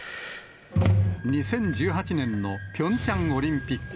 ２０１８年のピョンチャンオリンピック。